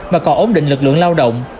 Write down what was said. mà còn ổn định lực lượng lao động